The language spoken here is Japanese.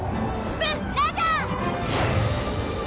ブ・ラジャー！